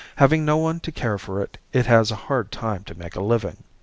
Having no one to care for it, it has a hard time to make a living.